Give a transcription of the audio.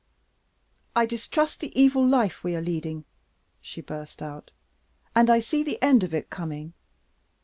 "I distrust the evil life we are leading," she burst out, "and I see the end of it coming.